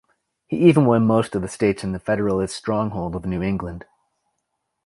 He even won most of the states in the Federalist stronghold of New England.